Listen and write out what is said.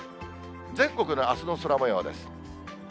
全国のあすの空もようです。